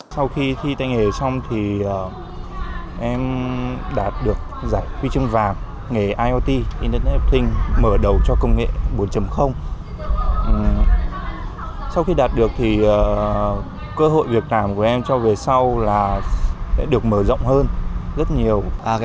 sau khi thi tay nghề xong thì em đã được giải huy chương vàng